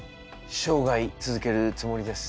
生涯続けるつもりです。